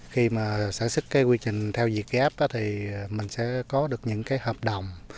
khi mà sản xuất cái quy trình theo việt gáp thì mình sẽ có được những cái hợp đồng